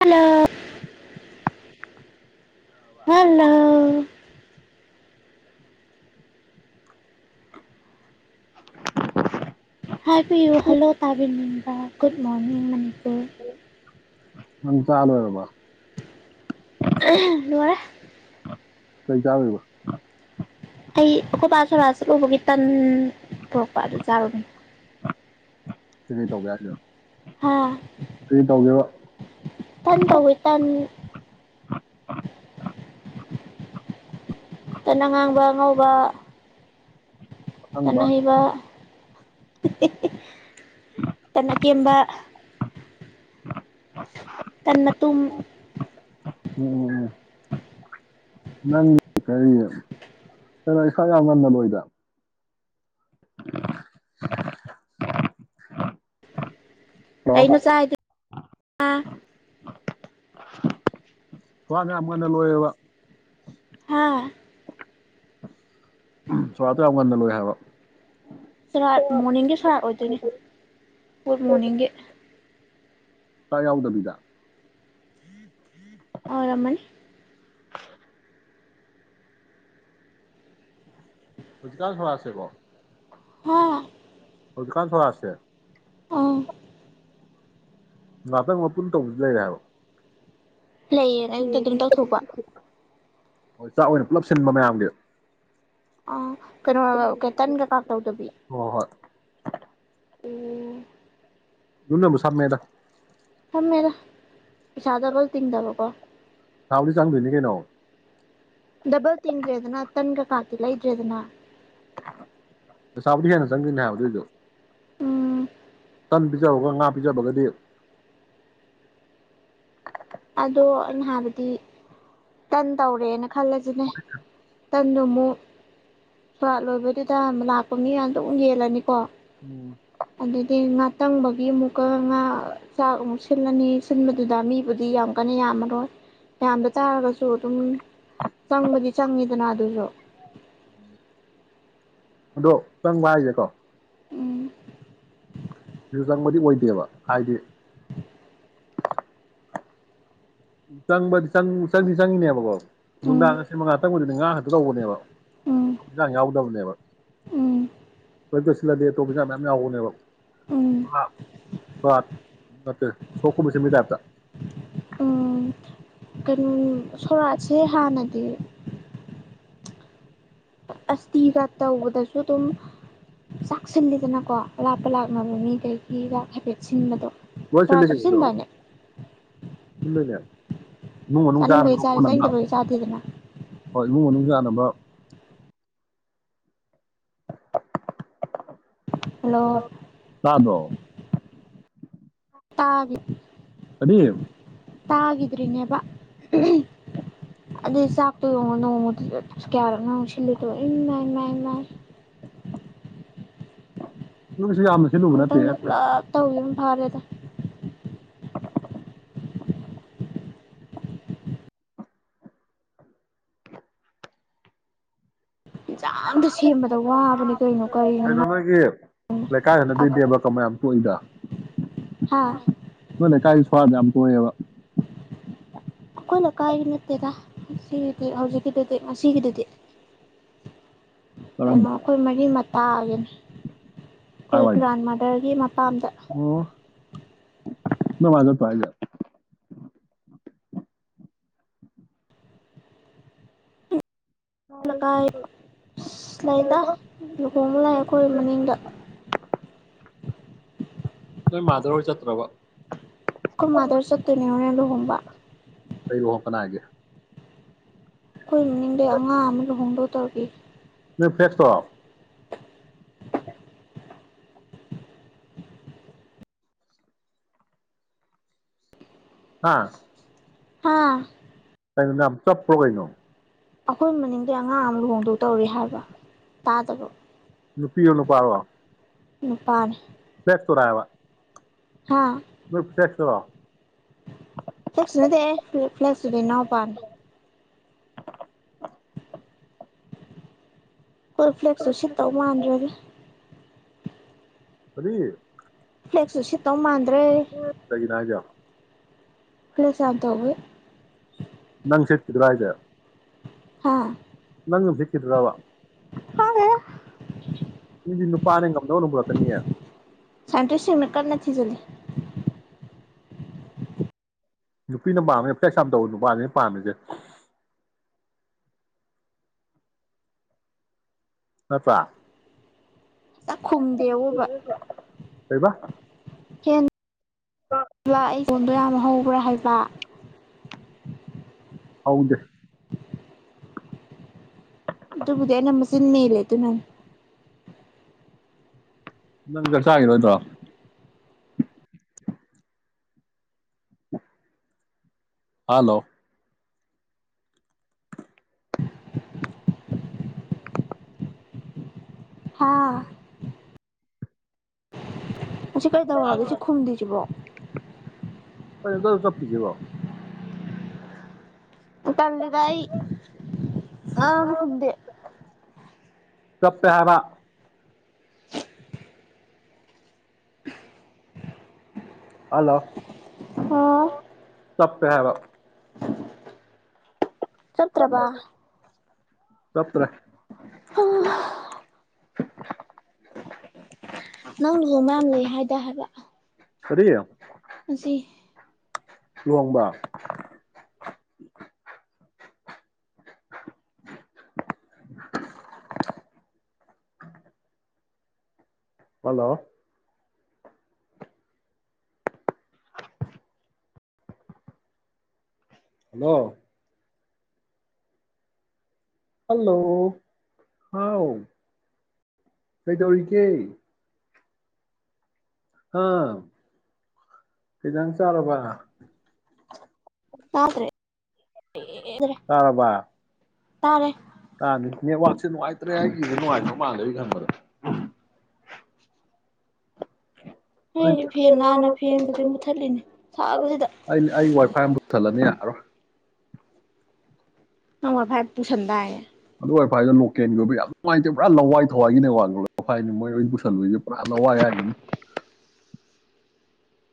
hello hello ꯍꯥꯏꯕꯤꯌꯨ hello ꯇꯥꯕꯤꯅꯤꯡꯕ good morning Manipur ꯅꯪ ꯆꯥꯂꯨ ꯑꯣꯏꯔꯕ ꯅꯔꯦ ꯀꯩ ꯇꯥꯋꯣꯏꯕ ꯑꯩ ꯑꯀꯣꯄꯥ ꯁꯔ ꯆꯂꯨꯕꯒꯤꯈꯤ ꯇꯟ ꯄꯔꯛꯄ ꯑꯗꯨ ꯆꯥꯔꯨꯕꯅꯦ ꯁꯤ ꯀꯩ ꯇꯧꯕ ꯌꯥꯒꯦ ꯍꯥ ꯀꯩ ꯇꯧꯒꯦꯔꯣ ꯊꯟ ꯇꯧꯋ ꯇꯟ ꯀꯅ ꯉꯥꯡꯕ ꯉꯧꯕ ꯀꯅ ꯑꯁꯪꯕ ꯍꯩꯕ ꯇꯅ ꯀꯕ ꯇꯟ ꯃꯇꯨꯝ ꯎꯝ ꯎꯝ ꯅꯪꯒꯤ ꯀꯔꯤ ꯀꯩꯅꯣ ꯏꯁꯥ ꯌꯥꯝ ꯉꯟꯅꯕꯣꯏꯗ [unintelligible] [inaudible] ꯍꯜꯂꯣ ꯀꯩꯅꯣ ꯆꯥꯏꯗꯤ ꯋꯥ ꯉꯃꯅ ꯂꯣꯏꯦꯕ ꯍꯥ ꯁꯣꯔꯇ ꯌꯥꯝ ꯉꯟꯅ ꯂꯣꯏ ꯍꯥꯏꯕ ꯁꯔ ꯃꯣꯔꯅꯤꯡꯒꯤ ꯁꯣꯔꯥꯔ ꯑꯣꯏꯗꯣꯏꯅꯦ ꯒꯨꯗ ꯃꯣꯔꯅꯤꯡꯒꯤ ꯆꯥꯛ ꯌꯥꯎꯗꯕꯤꯗ ꯑ ꯔꯃꯅꯤ ꯍꯖꯤꯀꯥꯟ ꯈꯔꯁꯦꯕꯣ ꯍꯥ ꯑꯣꯗꯨꯀꯥꯟ ꯊꯂꯁꯦ ꯑ ꯉꯥꯛꯇꯪ ꯃꯄꯨꯟ ꯇꯧꯕꯗꯤ ꯂꯩꯔꯦ ꯍꯥꯏꯕ ꯂꯩꯌꯦꯅ ꯑꯌꯨꯛꯇ ꯑꯗꯨꯝ ꯇꯧꯊꯣꯛꯄ ꯍꯣꯏ ꯆꯥꯛ ꯑꯣꯏꯅ ꯄꯨꯜꯂꯞ ꯁꯤꯟꯕ ꯃꯌꯥꯝꯒꯤ ꯑ ꯀꯩꯅꯣꯀꯦꯇꯟ ꯀꯩꯀꯥ ꯇꯧꯗꯕꯤ ꯍꯣꯏ ꯍꯣꯏ ꯎ ꯌꯅꯕꯨꯁꯃꯦꯗ ꯃꯦ ꯆꯥꯗꯕ ꯇꯤꯟꯗꯕ ꯀꯣ ꯊꯥꯗꯤ ꯆꯪꯗꯅꯤ ꯀꯩꯅꯩꯅꯣ ꯗꯕꯜ ꯇꯤꯡ꯭ꯔ ꯑꯗꯨꯅ ꯇꯟꯒ ꯀꯥꯇꯤ ꯂꯩ ꯂꯩꯗ꯭ꯔꯦꯗꯅ ꯆꯥꯕꯗꯤ ꯍꯦꯟꯅ ꯆꯪꯗꯣꯏꯅ ꯍꯥꯏꯕꯗꯨꯏꯗꯣ ꯎꯝ ꯀꯟ ꯄꯤꯖꯕꯒ ꯉꯥ ꯄꯤꯖꯕꯒꯗꯤ ꯑꯗꯣ ꯑ ꯅ ꯍꯥꯏꯕꯗꯤ ꯇꯟ ꯇꯧꯔꯦꯅ ꯈꯜꯂꯁꯤꯅꯦ ꯇꯪꯗꯣ ꯑꯃꯨꯛ ꯁꯨꯔꯥꯠ ꯂꯣꯏꯕꯗꯨꯗ ꯂꯥꯛꯄ ꯃꯤ ꯌꯥꯝꯇ ꯑꯃꯨꯛ ꯌꯦꯜꯂꯅꯤꯀꯣ ꯎꯝ ꯑꯗꯨꯗꯤ ꯉ ꯇꯪꯕꯒꯤ ꯑꯃꯨꯛꯀ ꯉꯥ ꯆꯥꯛ ꯑꯃꯨꯛ ꯁꯤꯜꯂꯅꯤ ꯁꯤꯟꯕꯗꯨꯗ ꯃꯤꯕꯨ ꯗꯤ ꯌꯥꯝ ꯀꯟꯅ ꯌꯥꯝꯃꯔꯣꯏ ꯃꯗ ꯆꯥꯔꯒꯁꯨ ꯑꯗꯨꯝ ꯆꯪꯕꯗꯤ ꯆꯪꯉꯤꯗꯅ ꯑꯗꯨꯁꯨ ꯎꯝ ꯑꯗꯣ ꯆꯪꯕ ꯍꯥꯏꯁꯦꯀꯣ ꯎꯝ ꯌꯨ ꯆꯪꯕꯗꯤ ꯑꯣꯏꯗꯦꯕ ꯍꯥꯏꯗꯤ ꯆꯪꯕꯗꯤ ꯆꯪꯗꯤ ꯆꯪꯉꯤꯅꯦꯕꯀꯣ ꯎꯝ ꯅꯨꯡꯗꯥꯡ ꯉꯁꯤ ꯃꯉꯥ ꯆꯪꯕꯗꯨꯅꯦ ꯉꯥ ꯉꯥꯛꯇ ꯇꯧꯕꯅꯦꯕ ꯎꯝ ꯑ ꯌꯥꯎꯕꯗꯕꯅꯦꯦꯕ ꯎꯝ ꯍꯣꯏ ꯀꯠꯁꯤꯜꯂꯗꯤꯦ ꯑꯇꯣꯞꯄꯤꯆꯥ ꯃꯌꯥꯝ ꯌꯥꯎꯕꯅꯦꯕ ꯎꯝ ꯅꯦ ꯁꯣꯛ ꯀꯁꯦꯃꯤꯗꯥꯞꯇ ꯎꯝ ꯀꯩꯅꯣ ꯁꯣꯔꯥꯠꯁꯦ ꯍꯥꯟꯅꯗꯤ ꯑꯁꯇꯤ ꯂ ꯇ ꯎꯧꯕꯗꯁꯨ ꯑꯗꯨꯝ ꯆꯥꯛꯁꯤꯜꯂꯤꯗꯅꯀꯣ ꯑꯔꯥꯞꯄ ꯂꯥꯛꯅꯕ ꯃꯤ ꯀꯩꯒꯤꯒ ꯍꯥꯏꯐꯦꯠ ꯁꯤꯟꯕꯗꯣ ꯃꯁꯂꯣ ꯁꯣꯔꯥꯠꯁꯨ ꯁꯤꯟꯗꯥꯏꯅꯦ ꯏꯟꯅ ꯅꯨꯡ ꯃꯅꯨꯡ ꯆꯥꯅꯕ ꯆꯥꯅꯤꯡꯕꯒꯤ ꯆꯥꯔꯦ ꯍꯣꯠꯅꯕ ꯆꯥꯅꯤꯡꯗꯕꯒꯤ ꯆꯥꯗꯦꯗꯅ ꯍꯣꯏ ꯏꯃꯨꯡ ꯃꯅꯨꯡ ꯆꯥꯅꯕ ꯍꯂꯣ ꯌꯥꯥꯗꯣ ꯇꯥꯕꯤꯠ ꯑꯗꯤ ꯇꯥꯒꯗꯔꯤꯅꯦꯕ [unintelligible] ꯑꯗꯨꯗꯩ ꯆꯥꯛꯇꯣ ꯌꯦꯣꯡꯉꯣ ꯅꯣꯡꯃꯗꯨꯗ ꯀꯌꯥꯔꯛꯅ ꯁꯤꯜꯂꯦꯗꯣ ꯏ ꯃꯥꯏ ꯃꯥꯏ ꯃꯥꯏ ꯎ ꯁꯤ ꯌꯥꯝ ꯑꯃꯨꯛꯇꯪꯗ ꯄꯨꯂꯞ ꯇꯧꯋ ꯑꯃ ꯐꯥꯔꯦꯗ ꯌꯦꯟꯁꯥꯡꯗ ꯁꯦꯝꯕꯗ ꯋꯥꯕꯅꯦ ꯀꯔꯤꯩꯅꯣ ꯀꯔꯤꯅꯣ ꯃꯥ ꯂꯩꯀꯥꯏꯗ ꯅꯠꯇꯣꯏ ꯗꯦꯕ ꯀꯃ ꯌꯥꯝ ꯇꯣꯛꯏꯗ ꯍꯥ ꯅꯣꯏ ꯂꯩꯀꯥꯏꯒꯤ ꯁ꯭ꯋꯥꯗ ꯌꯥꯝ ꯍꯌꯦꯦꯕ ꯑꯩꯈꯣꯏ ꯂꯩꯀꯥꯏꯒꯤ ꯅꯠꯇꯦꯗ ꯁꯤꯒꯤꯗꯤ ꯍꯧꯖꯤꯛꯀꯤꯗꯨꯗꯤ ꯉꯒꯤꯗꯨꯗꯤ ꯀꯩꯅꯣ ꯀꯔꯝꯕ ꯑꯩꯈꯣꯏ ꯃꯔꯤ ꯃꯇꯥꯒꯤꯅ ꯀꯥꯏ ꯑꯩꯈꯣꯏ ꯋꯥꯏꯗ ꯒ꯭ꯔꯥꯟꯃꯗꯔꯒꯤ ꯃꯄꯥꯝꯗ ꯅ ꯃꯥꯖ ꯄꯥꯥꯏꯖ ꯑꯜꯀꯥꯏ ꯂꯩꯗ ꯂꯨꯍꯣꯡꯕ ꯂꯥꯛꯑ ꯑꯩꯈꯣꯏ ꯃꯅꯤꯡꯗ ꯅꯣꯏ ꯃꯥꯗꯔ ꯆꯠꯇ꯭ꯔꯕ ꯀꯃꯥꯗꯔ ꯆꯠꯇꯅꯦꯅ ꯂꯨꯍꯣꯡꯕ ꯑꯩꯩ ꯋꯥꯍ ꯀꯅꯥꯒꯦ ꯑꯩꯈꯣꯏ ꯃꯅꯤꯡꯗ ꯑꯉꯥꯡ ꯑꯃꯒ ꯍꯣꯡꯗꯣꯛꯇꯔꯤ ꯅ ꯄ꯭ꯂꯦꯁꯇꯣꯔꯞ [inaudible] ꯑꯥ ꯍꯥꯥ ꯇꯥꯏꯩꯅ ꯅ ꯌꯥꯝ ꯆꯞ ꯄ꯭ꯔꯣꯒꯩꯩꯅꯣ ꯑꯩꯈꯣꯏ ꯃꯅꯤꯡꯗꯤ ꯑꯉꯥꯡ ꯑꯃ ꯂꯨꯍꯣꯡꯗꯣꯛ ꯇꯧꯔꯤ ꯍꯥꯏꯕ ꯇꯥꯗꯕ ꯅꯨꯄꯤ ꯑꯣ ꯅꯨꯄꯥꯔꯋꯥ ꯎ ꯄꯔ ꯐꯦꯁ ꯇꯔꯑꯕ ꯍꯥꯥ ꯊꯁꯨ ꯅꯗ ꯄ꯭ꯂꯁꯕꯤꯩꯅꯣ ꯄꯥꯟ ꯀꯜ ꯐ꯭ꯂꯦꯛꯁꯁꯨ ꯁꯤꯠꯇꯧ ꯃꯥꯟꯗ꯭ꯔꯒꯦ ꯑꯗꯨꯗꯤ ꯐ꯭ꯂꯦꯛꯁꯁꯨ ꯁꯤꯠꯇ ꯃꯥꯗ꯭ꯔꯦ ꯀꯩꯒꯤꯅꯣ ꯍꯥꯏꯁꯦ ꯈꯂ ꯆꯕ ꯇꯋꯦ ꯪ ꯁꯦꯠꯈꯤꯗ꯭ꯔ ꯍꯥꯏꯁꯦ ꯍꯥꯥ ꯅꯪ ꯖꯤꯀꯤꯗ꯭ꯔꯕ ꯐꯗꯦ ꯃꯤꯗꯤ ꯅꯨꯄꯥꯅꯦ ꯉꯝꯗꯧꯅ ꯄꯨꯔꯛꯀꯅꯤꯌꯦ ꯁꯥꯏꯟꯇꯤꯁꯁꯤꯡꯃꯦ ꯀꯔꯅ ꯆꯂ ꯅꯨꯄꯤꯅ ꯄꯥꯝꯃꯦ ꯑꯦ ꯄ꯭ꯂꯥꯏꯁꯥꯝ ꯇꯧꯕ ꯅꯨꯄꯥꯅꯤꯅ ꯄꯥꯝꯃꯤꯁꯦ ꯍꯥꯄ ꯁꯛ ꯈꯨꯝꯗꯦꯕꯣꯕ ꯑꯣꯏꯣꯏꯕ ꯑꯩꯉꯣꯟꯗꯣ ꯌꯥꯝ ꯍꯧꯕ꯭ꯔꯥ ꯍꯥꯏꯕ ꯍꯥꯎꯗ ꯑꯗꯨꯕꯨꯗ ꯅ ꯃ ꯁꯤꯃꯤ ꯏ ꯂꯩꯦ ꯑꯗꯨ ꯅ ꯅꯪ ꯆꯔ ꯆꯒꯤꯔꯣꯠꯇ꯭ꯔ [inaudible] ꯍꯂꯣ ꯍꯥꯥ ꯁꯤ ꯀꯔꯤ ꯇꯧꯔꯒꯦ ꯁꯤ ꯈꯨꯝꯗꯣꯏꯁꯤꯕꯣ ꯍ ꯀ ꯆꯠꯄꯤꯁꯤꯕꯣ ꯇꯂꯗꯏ ꯑ ꯈꯨꯝꯗꯦ ꯁꯞꯇ ꯍꯥꯏꯔ ꯍꯜꯂꯣ ꯍ ꯇꯞꯄꯦ ꯍꯥꯏꯕ ꯆꯠꯇ꯭ꯔꯕ ꯆꯄ꯭ꯔ ꯅꯪ ꯂꯨꯍꯣꯡꯕꯌꯥꯝ ꯂꯩ ꯍꯥꯏꯗ ꯍꯥꯏꯕ ꯐꯔꯤ ꯑꯁꯤ ꯂꯨꯍꯣꯡꯕ [inaudible] ꯍꯜꯂꯣ ꯍꯜꯂꯣ ꯍꯜꯂꯣ ꯍꯥꯎ ꯀꯩꯗꯧꯔꯤꯒꯦ ꯑꯥ ꯀꯖꯪ ꯆꯔꯣꯕ ꯃꯥꯗ꯭ꯔꯦ ꯀꯔꯔꯕ ꯇꯥꯔꯦ ꯇꯅꯤ ꯅꯦꯠꯋꯥꯛꯁꯦ ꯅꯨꯡꯉꯥꯏꯇ꯭ꯔꯦ ꯑꯩꯒꯤꯁ ꯅꯨꯡꯉꯥꯏꯇ꯭ꯔ ꯃꯜꯗꯒꯤ ꯈꯟꯕꯗ ꯑꯩꯁꯦ ꯐꯦꯟ ꯂꯥꯟꯅ ꯐꯦꯟꯒꯁꯦ ꯃꯨꯠꯊꯠꯂꯤꯅꯦ ꯁꯥꯕꯁꯤꯗ ꯑꯩ ꯋꯥꯏꯐꯥꯏ ꯑꯃ ꯄꯨꯁꯜꯂꯅꯤ ꯌꯥꯔꯣꯏ ꯑꯉ ꯐꯥꯏ ꯄꯨꯁꯟꯗꯑꯦ ꯑꯗꯨꯣꯏꯐꯥꯏꯗꯣ ꯂꯣꯀꯦꯜꯒꯤꯕ ꯌꯥꯝ ꯉꯥꯏꯇꯦ ꯄꯨꯔꯥ ꯂꯋꯥꯏ ꯊꯋꯥꯏꯒꯤꯅꯦ ꯋꯥ ꯍꯥꯏꯅꯤ ꯃꯣꯏ ꯑꯣꯏꯅ ꯄꯨꯁꯤꯜꯂꯣꯏꯁꯦ ꯄꯨꯔꯥ ꯂꯋꯥꯏ ꯍꯥꯏ [inaudible]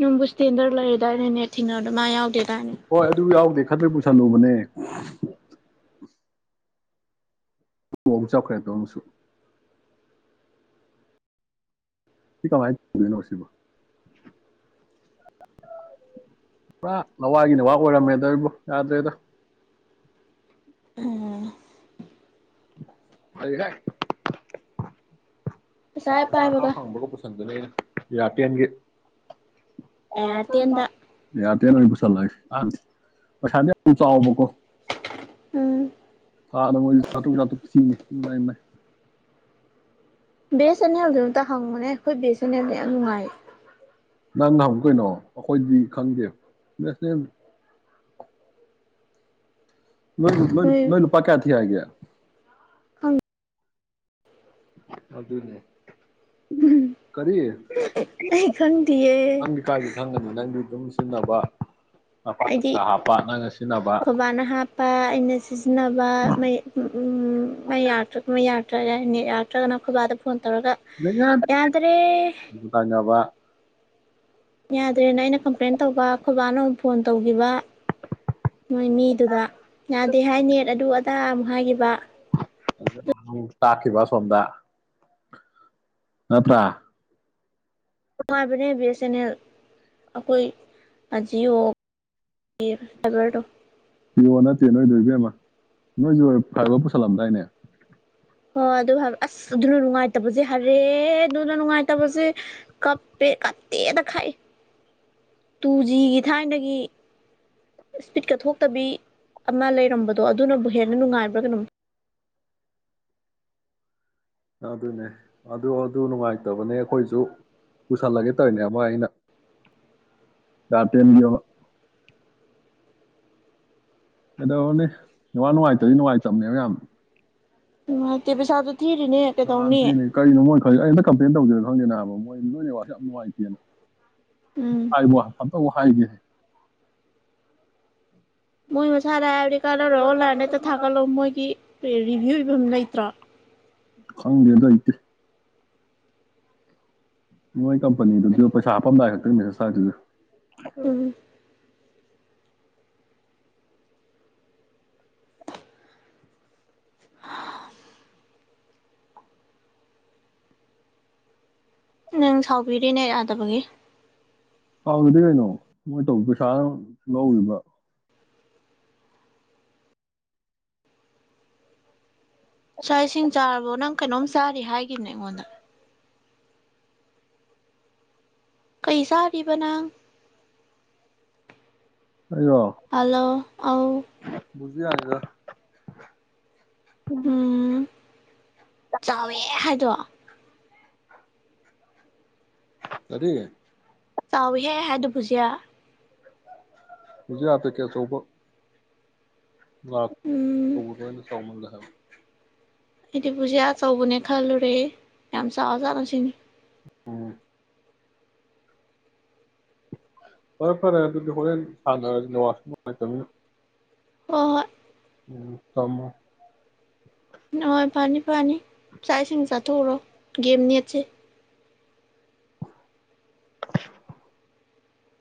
ꯅꯅꯨꯡꯕꯨ ꯁ꯭ꯇꯦꯟꯗꯔ ꯂꯩꯔꯦꯗꯥꯏꯩꯅꯅꯦꯠ ꯊꯤꯡꯅꯕꯗ ꯃꯥ ꯌꯥꯎꯗꯦ ꯍꯣꯏ ꯑꯗꯨ ꯌꯥꯎꯗꯦ ꯈꯟꯕꯩ ꯄꯨꯁꯜꯂꯨꯕꯅꯦ ꯅ ꯑꯃꯨꯛ ꯆꯥꯎꯈ꯭ꯔꯦꯗꯣꯨ ꯁꯤ ꯀꯃꯥꯏꯅ ꯇꯧꯗꯣꯏꯅꯣ ꯁꯤꯕ ꯄꯨꯔꯥ ꯂꯋꯥꯏꯒꯤ ꯅꯋꯥ ꯑꯣꯏꯔꯝꯃꯦꯗꯕꯨ ꯌꯥꯗ꯭ꯔꯦꯗ ꯎꯝ ꯑꯥꯏ ꯄꯩꯁꯥ ꯍꯦꯛ ꯄꯥꯏꯕꯒ ꯐꯪꯕꯒ ꯄꯨꯁꯟꯗꯨꯅꯦ ꯑꯩꯅ ꯌꯥꯥꯇꯟꯒꯤ ꯀꯣꯟ ꯑꯦꯌꯥꯔꯇꯦꯜꯗ ꯏ ꯂ ꯆꯠꯂ ꯄꯩꯁꯥꯗꯤ ꯑꯃꯨ ꯆꯥꯎꯕꯀꯣ ꯎꯝ ꯊꯥꯗ ꯃꯣꯏꯁꯨ ꯆꯥ꯭ꯔꯣꯛꯛ ꯆꯥꯇ꯭ꯔꯣꯛ ꯊꯤꯅꯤ ꯏꯃꯥꯏ ꯏꯃꯥꯏ ꯕꯦꯁ ꯑꯅꯦ ꯍꯧꯖꯤꯛ ꯑꯃꯨꯛꯇ ꯍꯪꯕꯅꯦ ꯑꯩꯈꯣꯏ ꯕꯦꯁ ꯑꯅꯦꯕꯅꯦ ꯌꯥꯝ ꯅꯨꯡꯉꯥꯏ ꯅꯪ ꯅ ꯍꯪ ꯀꯩꯅꯣ ꯑꯩꯈꯣꯏꯗꯤ ꯈꯪꯗꯦꯁꯅꯦ ꯅꯣꯏꯣꯏ ꯅꯣꯏ ꯅꯣꯏꯅ ꯄꯀꯥ ꯊꯤ ꯍꯥꯏꯒꯦ ꯈꯪ ꯑꯗꯨ ꯑꯗꯨꯅꯦ ꯀꯔꯤ ꯑꯩ ꯈꯪꯗꯤꯌꯦ ꯈꯪꯗꯤꯦ ꯀꯥꯏꯒꯤꯦ ꯈꯪꯒꯅꯤ ꯅꯪꯗꯤ ꯑꯗꯨꯝ ꯑꯩꯗꯤ ꯁꯤꯖꯤꯟꯅꯕꯀꯥ ꯍꯥꯞꯄ ꯅꯪꯒ ꯁꯤꯖꯤꯟꯅꯕ ꯈꯣꯏꯕꯥꯅ ꯍꯥꯞꯄ ꯑꯩꯅ ꯁꯤꯖꯤꯟꯅꯕ ꯃꯩ ꯃꯩ ꯌꯥꯛꯇ꯭ꯔꯒ ꯃꯩ ꯌꯥꯛꯇ꯭ꯔꯒ ꯅꯠ ꯌꯥ ꯅꯠꯇ꯭ꯔꯒꯅꯈꯣꯏꯕꯥꯗ ꯐꯣꯟ ꯇꯧꯔꯒ ꯌꯥꯗ꯭ꯔꯦ ꯇꯥꯏꯅꯕ ꯌꯥꯗ꯭ꯔꯦꯅ ꯑꯩꯅ ꯀꯝꯄ꯭ꯂꯦꯟ ꯇꯧꯕ ꯑꯩꯈꯣꯏꯕꯥꯅ ꯑꯃꯨꯛ ꯐꯣꯟ ꯇꯧꯈꯤꯕ ꯃꯣꯏ ꯃꯤꯗꯨꯗ ꯌꯥꯗꯦ ꯍꯥꯏꯅꯦ ꯑꯗꯨ ꯑꯗꯥ ꯑꯃꯨꯛ ꯍꯥꯏꯈꯤꯕ ꯇꯥꯀꯤꯕ ꯁꯗ ꯑ ꯄ꯭ꯔꯥ ꯅꯨꯡꯉꯥꯏꯕꯅꯦ ꯕꯤ ꯑꯦꯁ ꯑꯦꯟ ꯑꯦꯜ ꯑꯩꯈꯣꯏ ꯖꯤꯌꯑꯣ ꯗ ꯅꯒꯔꯗꯣ ꯄꯤꯌꯣ ꯅꯠꯇꯦ ꯅꯣꯏꯗꯣ ꯏꯕꯦꯝꯃ ꯅꯣꯏꯁꯨ ꯐꯔꯕ ꯄꯨꯁꯜꯂꯝꯗꯥꯏꯅꯦ ꯍꯣꯏ ꯑꯗꯨ ꯑꯁ ꯑꯗꯨꯅ ꯅꯨꯡꯉꯥꯏꯇꯕꯁꯦ ꯍꯔꯦ ꯑꯗꯨꯅ ꯅꯨꯡꯉꯥꯏꯇꯕꯁꯦ ꯀꯞꯄ ꯀꯠꯇꯦꯗ ꯈꯥꯏ [inaudible] ꯇꯨ ꯖꯤꯒꯤ ꯊꯥꯏꯅꯗꯒꯤ ꯏꯁꯄꯤꯠꯀ ꯊꯣꯛꯇꯕꯤ ꯑꯃ ꯂꯩꯔꯝꯕꯗꯣ ꯑꯗꯨꯅꯕꯨ ꯍꯦꯟꯅ ꯅꯨꯡꯉꯥꯏꯕ꯭ꯔꯥ ꯀꯩꯅꯣ [inaudible] ꯑꯗꯨꯅꯦ ꯑꯗꯨ ꯑꯗꯨ ꯅꯨꯡꯉꯥꯏꯇꯕꯅꯦ ꯑꯩꯈꯣꯏꯁꯨ ꯄꯨꯁꯜꯂꯒꯦ ꯇꯧꯔꯤꯅꯦ ꯑꯃ ꯑꯩꯅ ꯆꯥꯔꯇꯦꯝꯦꯝꯕꯤꯣ ꯀꯩꯗꯧꯔꯅꯤ ꯅꯨꯋꯥ ꯅꯨꯡꯉꯥꯏꯇꯗꯤ ꯅꯨꯡꯉꯥꯏꯇꯕꯅꯦꯕ ꯌꯥꯝꯌꯥꯝ [inaudible] ꯀꯩꯗꯧꯅꯤ ꯅꯦꯠꯋꯥꯛꯅꯦꯅ ꯀꯔꯤꯅꯣ ꯃꯣꯏ ꯈꯜꯂꯤꯗꯣ ꯑꯩ ꯍꯟꯗꯛ ꯀꯝꯄ꯭ꯂꯦꯟ ꯇꯧꯖꯤꯔꯥ ꯈꯪꯗꯦꯅꯕ ꯍꯥꯏꯕ ꯃꯣꯏ ꯅꯣꯏꯅꯦ ꯌꯥꯝ ꯅꯨꯡꯉꯥꯏꯇꯦꯅ ꯎꯝ ꯍꯥꯏꯕ ꯍꯟꯗꯛꯃꯨꯛ ꯍꯥꯏꯖꯤ ꯃꯣꯏ ꯃꯁꯥꯗ ꯍꯥꯏꯕꯗꯤ ꯀꯥꯟꯅꯔꯣꯏ ꯑꯣꯟ ꯂꯥꯏꯟꯗ ꯍꯦꯛꯇ ꯊꯥꯒꯠꯂꯣ ꯃꯣꯏꯒꯤ ꯔꯤꯕꯤ꯭ꯌꯨ ꯏꯕꯝ ꯂꯩꯇ꯭ꯔꯥ ꯈꯪꯗꯦ ꯂꯩꯇꯦ ꯃꯣꯏ ꯀꯝꯄꯅꯤꯗꯨꯖꯨ ꯄꯩꯁꯥ ꯍꯥꯞꯄꯝꯗꯥꯏ ꯈꯛꯇꯪ ꯃꯦꯁꯦꯁ ꯊꯔꯛꯇꯣꯏꯗꯨꯖꯨ ꯎꯝ ꯅꯪ ꯁꯥꯎꯕꯤꯔꯦꯅꯦ ꯅꯦꯠ ꯌꯥꯗꯕꯒꯤ ꯁꯥꯎꯗ꯭ꯔꯗꯤ ꯀꯩꯅꯣ ꯃꯣꯏ ꯇꯧꯕ ꯄꯩꯁꯥꯅ ꯃꯔꯣꯜ ꯑꯃ ꯂꯧꯔꯤꯕ ꯆꯥꯛ ꯏꯁꯤꯡ ꯆꯥꯔꯕꯣ ꯅꯪ ꯀꯩꯅꯣꯝ ꯆꯥꯔꯤ ꯍꯥꯏꯈꯤꯕꯅꯦ ꯑꯩꯉꯣꯟꯗ ꯀꯩ ꯆꯥꯔꯤꯕ ꯅꯪ ꯑꯩꯔꯣ ꯍꯥꯂꯣ ꯑꯧ ꯕꯨꯖꯤꯌꯥꯅꯤꯗ ꯎꯝ ꯆꯥꯎꯋꯦ ꯍꯥꯏꯗꯣ ꯀꯔꯤ ꯆꯥꯎ ꯋꯤꯍꯦ ꯍꯥꯏꯗꯨ ꯕꯨꯖꯤꯌꯥ ꯕꯨꯖꯤꯌꯥ ꯄꯦꯛꯀꯦꯠ ꯑꯆꯧꯕ ꯎꯝ ꯇꯧꯕꯗꯣ ꯆꯥꯎꯃꯜꯂꯦ ꯍꯥꯏꯕ ꯑꯩꯗꯤ ꯄꯨꯕꯨꯖꯤ ꯑꯆꯧꯕꯅꯦ ꯈꯜꯂꯨꯔꯦ ꯌꯥꯝ ꯆꯥꯎꯖꯥꯠꯂꯥ ꯁꯤꯅꯤ ꯎꯝ ꯐꯔꯦ ꯐꯔꯦ ꯑꯗꯨꯗꯤ ꯍꯣꯔꯦꯜ ꯁꯥꯟꯅꯔꯖꯤ ꯅꯦꯠꯋꯥꯛꯁꯨ ꯅꯨꯡꯉꯥꯏꯇꯕꯅꯤꯅ ꯍꯣꯏ ꯍꯣꯏ ꯎꯝ ꯊꯝꯃꯣ ꯍꯣꯏ ꯐꯅꯤ ꯐꯅꯤ ꯆꯥꯛ ꯏꯁꯤꯡ ꯆꯥꯊꯣꯛꯎꯔꯣ ꯒꯦꯝ ꯅꯦꯠꯁꯦ [inaudible]